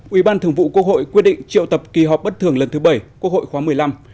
ủy ban thường vụ quốc hội quyết định triệu tập kỳ họp bất thường lần thứ bảy quốc hội khóa một mươi năm